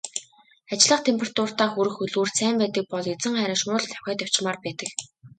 Ажиллах температуртаа хүрэх хөдөлгүүрт сайн байдаг бол эзэн харин шууд л давхиад явчихмаар байдаг.